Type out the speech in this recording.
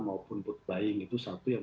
maupun putbaing itu satu yang